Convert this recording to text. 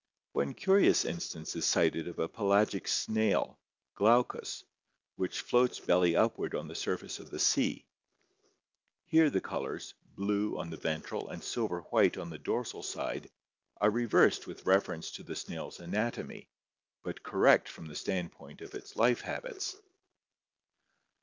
One curious instance is cited of a pelagic snail, Glaucus, which floats belly upward on the surface of the sea. Here the colors — blue on the ventral and silver white on the dorsal side — are reversed with reference to the snail's anatomy, but correct from the standpoint of its life habits.